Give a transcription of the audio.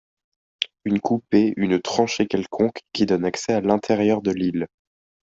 Une coupée, une tranchée quelconque, qui donne accès à l’intérieur de l’île.